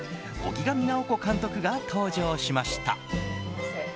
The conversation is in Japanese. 荻上直子監督が登場しました。